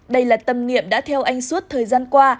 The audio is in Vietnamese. đây là tâm niệm đã theo anh suốt thời gian qua